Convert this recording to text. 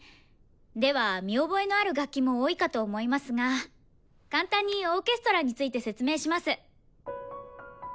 では見覚えのある楽器も多いかと思いますが簡単にオーケストラについて説明します。